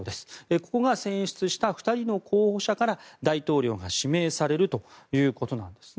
そこが選出した２人の候補者から大統領が指名されるということです。